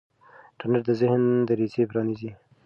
انټرنیټ د ذهن دریڅې پرانیزي.